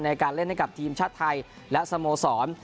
ในการเล่นให้กับทีมชาติไทยและสโมสร